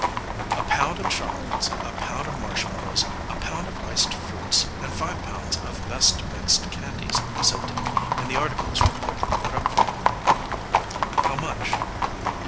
"A pound of chocolates, a pound of marshmallows, a pound of iced fruits, and five pounds of best mixed candies," said Dick, and the articles were quickly put up for him. "How much?"